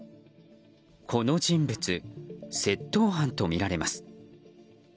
この人物、窃盗犯とみられます。